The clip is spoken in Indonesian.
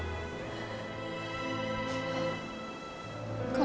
hidup aku ga akan pernah terasa lengkap